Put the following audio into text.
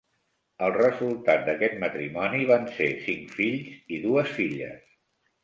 El resultat d'aquest matrimoni van ser cinc fills i dues filles.